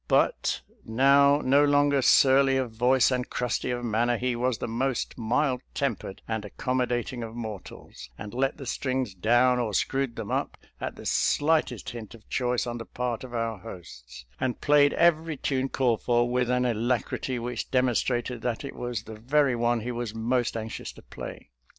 " But now no longer surly of voice and crusty of man ner, he was the most mild tempered and accom modating of mortals, and let the strings down or screwed them up, at the slightest hint of choice on the part of our hosts, and played every tune called for with an alacrity which demonstrated that it was the very one he was most anxious to play.